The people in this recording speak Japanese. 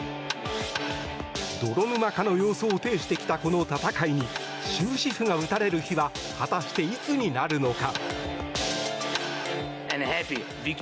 泥沼化の様相を呈してきたこの戦いに終止符が打たれる日は果たしていつになるのか。